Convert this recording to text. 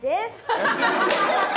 ハハハハ！